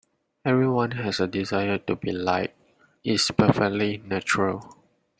Everyone has a desire to be liked, it's perfectly natural.